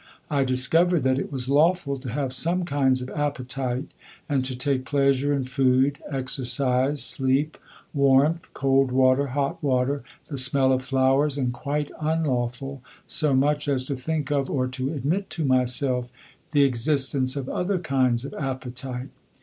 I discovered that it was lawful to have some kinds of appetite, and to take pleasure in food, exercise, sleep, warmth, cold water, hot water, the smell of flowers, and quite unlawful so much as to think of, or to admit to myself the existence of other kinds of appetite.